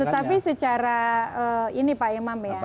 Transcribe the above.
tetapi secara ini pak imam ya